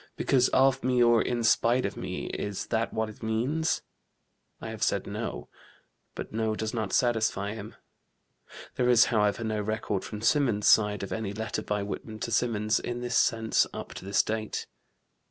because of me or in spite of me, is that what it means? I have said no, but no does not satisfy him. [There is, however, no record from Symonds's side of any letter by Whitman to Symonds in this sense up to this date.